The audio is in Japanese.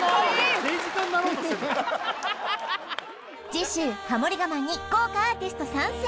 次週ハモリ我慢に豪華アーティスト参戦！